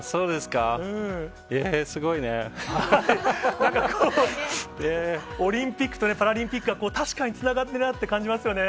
なんかこう、オリンピックとパラリンピックが確かにつながってるなって感じますよね。